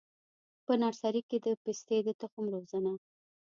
په نرسري کي د پستې د تخم روزنه: